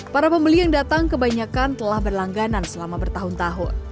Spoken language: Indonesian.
para pembeli yang datang kebanyakan telah berlangganan selama bertahun tahun